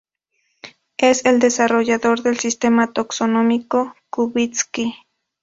Es el desarrollador del sistema taxonómico Kubitzki.